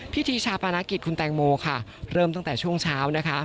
พิธีชาปนกิจคุณแตงโมค่ะเริ่มตั้งแต่ช่วงเช้านะคะ